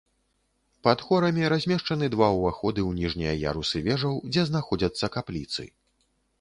Пад хорамі размешчаны два ўваходы ў ніжнія ярусы вежаў, дзе знаходзяцца капліцы.